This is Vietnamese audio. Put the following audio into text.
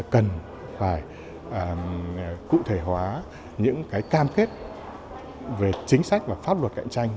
cần phải cụ thể hóa những cái cam kết về chính sách và pháp luật cạnh tranh